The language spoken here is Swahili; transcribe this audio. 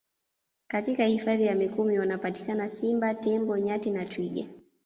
Katika Hifadhi ya Mikumi wanapatikana Simba Tembo Nyati na Twiga